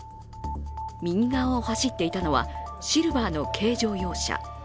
右側を走っていたのはシルバーの軽乗用車。